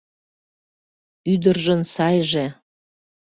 Ӱдыржын сайже -